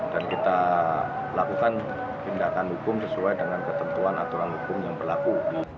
dan kita lakukan tindakan hukum sesuai dengan ketentuan aturan hukum yang berlaku